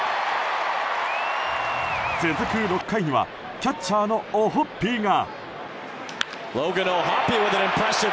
続く６回にはキャッチャーのオホッピーが。